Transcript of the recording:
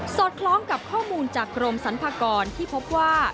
อดคล้องกับข้อมูลจากกรมสรรพากรที่พบว่า